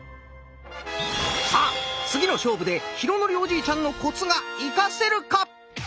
さあ次の勝負で浩徳おじいちゃんのコツが生かせるか？